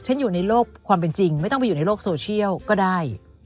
อยู่ในโลกความเป็นจริงไม่ต้องไปอยู่ในโลกโซเชียลก็ได้